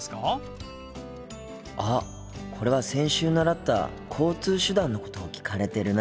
心の声あっこれは先週習った交通手段のことを聞かれてるな。